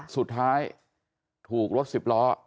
สุดท้ายถูกรถสิบล้อ